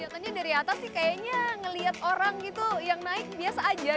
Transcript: katanya dari atas sih kayaknya ngeliat orang gitu yang naik biasa aja